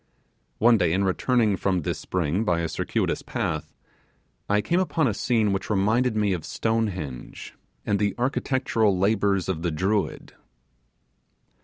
One day in returning from this spring by a circuitous path, I came upon a scene which reminded me of Stonehenge and the architectural labours of the Druids.